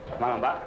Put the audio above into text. selamat malam pak